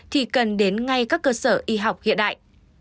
thì cần đến ngay các cơ sở y học hiện đại